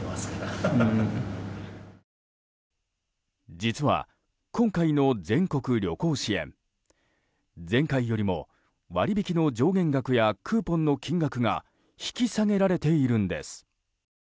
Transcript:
実は、今回の全国旅行支援前回よりも割引の上限額やクーポンの金額が引き下げられているんです。